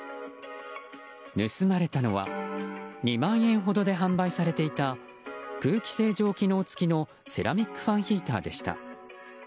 盗まれたのは２万円ほどで販売されていた空気清浄機能付きのセラミックファンヒーターでした。